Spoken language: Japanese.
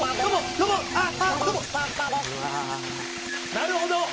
なるほど！